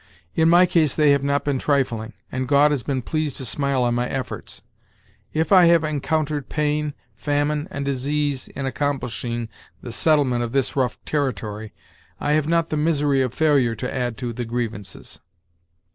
In my case they have not been trifling, and God has been pleased to smile on my efforts. If I have encountered pain, famine, and disease in accomplishing the settlement of this rough territory, I have not the misery of failure to add to the grievances."